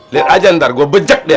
lihat aja ntar gue bejak dia